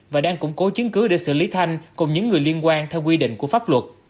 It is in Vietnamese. và đang củng cố chứng cứ để xử lý thanh cùng những người liên quan theo quy định của pháp luật